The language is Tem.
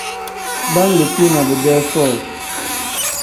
Baa ngbetii na bidee foo.